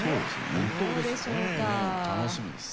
本当ですね。